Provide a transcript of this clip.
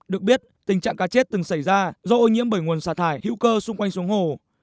được biết tình trạng cá chết từng xảy ra do ô nhiễm bởi nguồn xả thải hữu cơ xung quanh xuống hồ